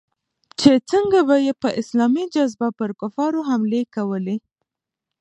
چې څنگه به يې په اسلامي جذبه پر کفارو حملې کولې.